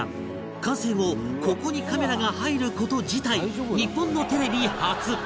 完成後ここにカメラが入る事自体日本のテレビ初